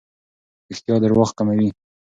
رښتیا درواغ کموي.